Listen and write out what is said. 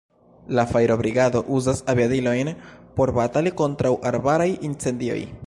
La fajrobrigado uzas aviadilojn por batali kontraŭ arbaraj incendioj.